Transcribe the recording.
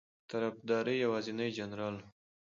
په طرفداری یوازینی جنرال ؤ